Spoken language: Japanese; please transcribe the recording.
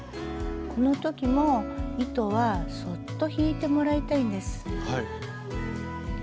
この時も糸はそっと引いてもらいたいんです。